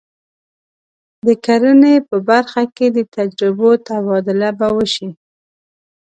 د کرنې په برخه کې د تجربو تبادله به وشي.